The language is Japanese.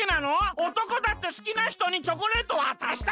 おとこだってすきなひとにチョコレートわたしたいじゃない！